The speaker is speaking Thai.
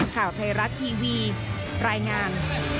ข่าวไทยรัฐทีวีรายงาน